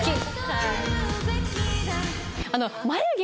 はい。